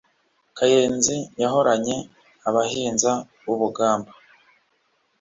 kayenzi yahoranye abahinza b’ubugamba